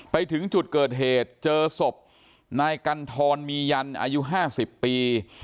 ไปถึงจุดเกิดเหตุเจอสบนายกัลทรมี่ยันอายุห้าสิบปี